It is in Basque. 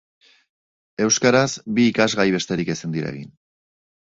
Euskaraz bi ikasgai besterik ezin dira egin.